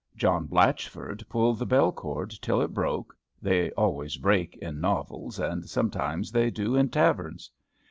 John Blatchford pulled the bell cord till it broke (they always break in novels, and sometimes they do in taverns).